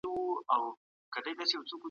تاسي باید د خپل دین ساتنه په مېړانه وکړئ.